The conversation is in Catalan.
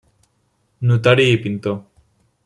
Notari i pintor.